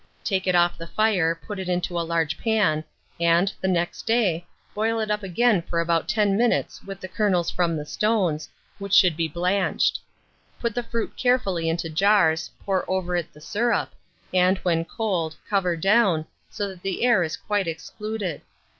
Take it off the fire, put it into a large pan, and, the next day, boil it up again for about 10 minutes with the kernels from the stones, which should be blanched. Put the fruit carefully into jars, pour over it the syrup, and, when cold, cover down, so that the air is quite excluded.